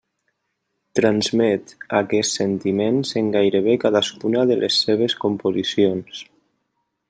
Transmet aquests sentiments en gairebé cadascuna de les seves composicions.